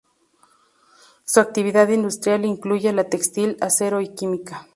Su actividad industrial incluye la textil, acero y química.